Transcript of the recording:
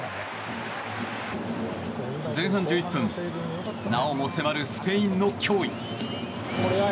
前半１１分なおも迫るスペインの脅威。